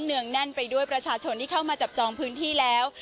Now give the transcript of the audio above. งแน่นไปด้วยประชาชนที่เข้ามาจับจองพื้นที่แล้ว